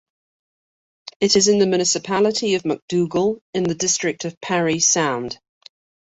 It is in the Municipality of McDougall in the District of Parry Sound.